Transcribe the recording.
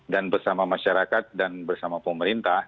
dan bersama masyarakat dan bersama pemerintah